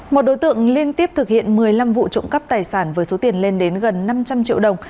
một đối tượng liên tiếp thực hiện một mươi năm vụ trộm cắp tài sản với số tiền lên đến gần năm trăm linh triệu đồng